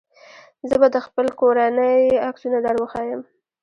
زه به د خپلې کورنۍ عکسونه دروښيم.